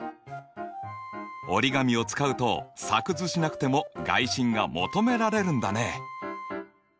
折り紙を使うと作図しなくても外心が求められるんだね。